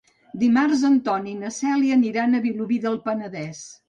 Dimarts en Ton i na Cèlia aniran a Vilobí del Penedès.